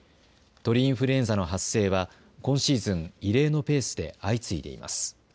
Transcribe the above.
鳥インフルエンザの発生は、今シーズン異例のペースで相次いでいます。